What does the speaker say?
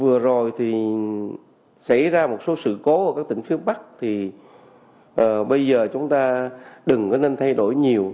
vừa rồi thì xảy ra một số sự cố ở các tỉnh phía bắc thì bây giờ chúng ta đừng có nên thay đổi nhiều